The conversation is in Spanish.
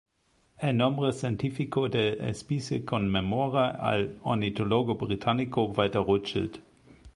El nombre científico de la especie conmemora al ornitólogo británico Walter Rothschild.